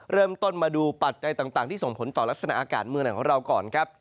เริ่มต้นมาดูปัจจัยต่างที่ส่งผลต่อลักษณะอากาศเมืองไหนของเราก่อนครับ